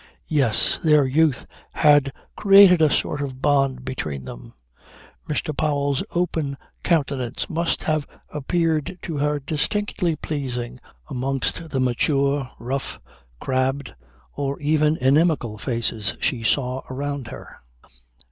Yes! their youth had created a sort of bond between them. Mr. Powell's open countenance must have appeared to her distinctly pleasing amongst the mature, rough, crabbed or even inimical faces she saw around her.